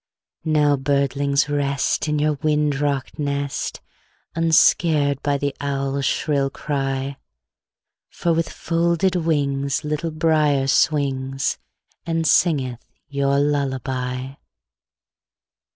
Now, birdlings, rest, In your wind rocked nest, Unscared by the owl's shrill cry; For with folded wings Little Brier swings, And singeth your lullaby.